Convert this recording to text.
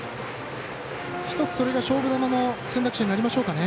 １つそれが勝負球の選択肢になりますかね。